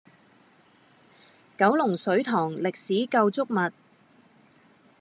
九龍水塘歷史構築物